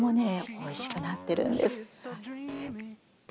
おいしくなってるんです。